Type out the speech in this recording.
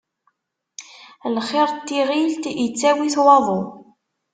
Lxiṛ n tiɣilt, ittawi-t waḍu.